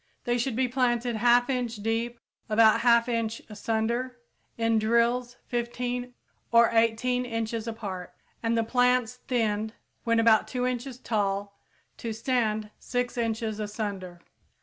They should be planted 1/2 inch deep, about 1/2 inch asunder, in drills 15 or 18 inches apart, and the plants thinned when about 2 inches tall to stand 6 inches asunder.